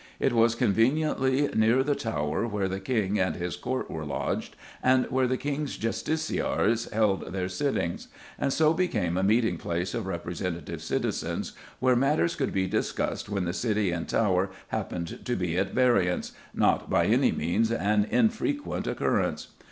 It was conveniently near the Tower where the King and his Court were lodged, and where the King's Justiciars held their sittings, and so became a meeting place of representative citizens, where matters could be discussed when the City and Tower happened to be at variance not by any means an infrequent occurrence.